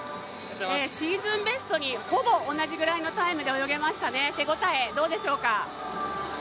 シーズンベストにほぼ同じぐらいのタイムで泳げましたね、手応えどうでしょうか？